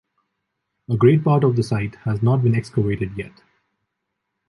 A great part of the site has not been excavated yet.